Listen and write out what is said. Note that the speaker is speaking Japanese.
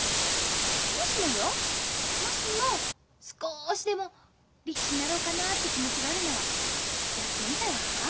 もしもよもしも少しでも力士になろうかなって気持ちがあるならやってみたら？